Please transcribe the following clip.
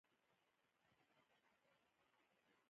د دوو نورو رسالو ژباړې موجودې دي.